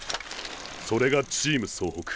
それがチーム総北。